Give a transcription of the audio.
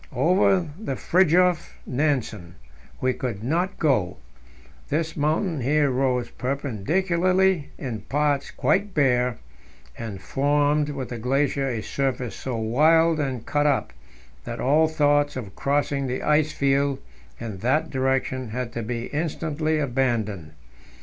Over by Fridtjof Nansen we could not go; this mountain here rose perpendicularly, in parts quite bare, and formed with the glacier a surface so wild and cut up that all thoughts of crossing the ice field in that direction had to be instantly abandoned.